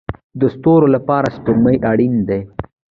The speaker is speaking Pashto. د ستورو لپاره سپوږمۍ اړین ده